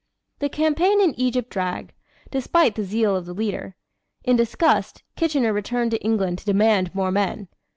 The campaign in Egypt dragged, despite the zeal of the leader. In disgust, Kitchener returned to England to demand more men.